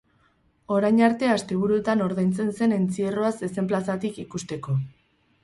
Orain arte asteburuetan ordaintzen zen entzierroa zezen-plazatik ikusteko.